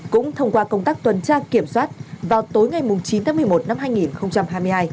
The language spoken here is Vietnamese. cũng thông qua công tác tuần tra kiểm soát vào tối ngày chín tháng một mươi một năm hai nghìn hai mươi hai